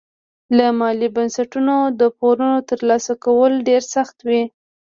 له مالي بنسټونو د پورونو ترلاسه کول ډېر سخت وي.